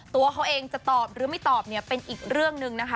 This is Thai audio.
ตัวเขาเองจะตอบหรือไม่ตอบเนี่ยเป็นอีกเรื่องหนึ่งนะคะ